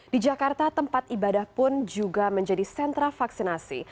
di jakarta tempat ibadah pun juga menjadi sentra vaksinasi